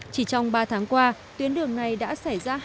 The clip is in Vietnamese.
chỉ trong ba tháng qua tuyến đường này đã xảy ra